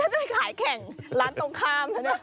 เมื่อจะไปขายแข่งล้านตรงข้าม